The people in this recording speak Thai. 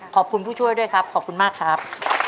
ผู้ช่วยด้วยครับขอบคุณมากครับ